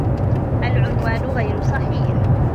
العنوان غير صحيح.